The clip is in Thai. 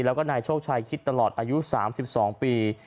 แล้วก็นายโชคชัยคิดตลอดอายุ๓๒ปี